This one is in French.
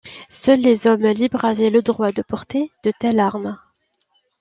Seuls les hommes libres avaient le droit de porter de telles armes.